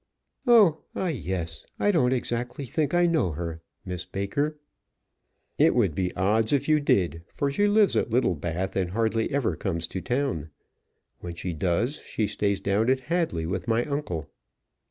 "Oh ah yes. I don't exactly think I know her. Miss Baker!" "It would be odd if you did, for she lives at Littlebath, and hardly ever comes to town. When she does, she stays down at Hadley with my uncle."